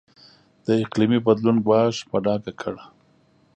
د اقلیمي بدلون ګواښ په ډاګه کړ.